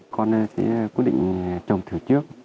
con sẽ quyết định trồng thử trước